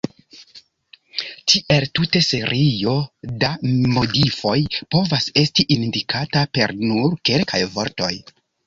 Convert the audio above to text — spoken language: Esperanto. Tiel tuta serio da modifoj povas esti indikita per nur kelkaj vortoj.